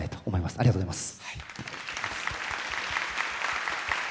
ありがとうございます。